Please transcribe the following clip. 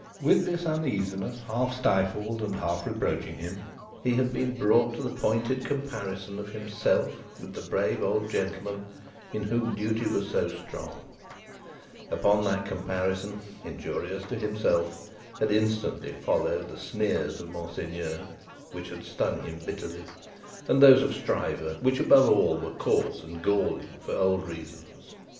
With this uneasiness half stifled, and half reproaching him, he had been brought to the pointed comparison of himself with the brave old gentleman in whom duty was so strong; upon that comparison (injurious to himself) had instantly followed the sneers of Monseigneur, which had stung him bitterly, and those of Stryver, which above all were coarse and galling, for old reasons.